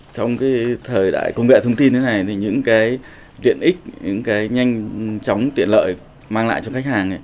trong cái thời đại công nghệ thông tin thế này thì những cái tiện ích những cái nhanh chóng tiện lợi mang lại cho khách hàng